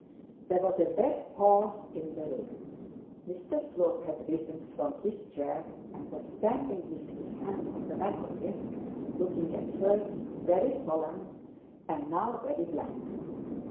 There was a dead pause in the room. Mr Slope had risen from his chair, and was standing with his hand on the back of it, looking at first very solemn and now very black.